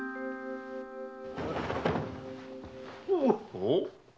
おっ。